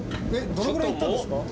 どのぐらい行ったんですか？